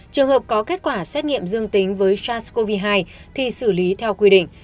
trường hợp có kết quả xét nghiệm dương tính với sars cov hai thì xử lý theo quy định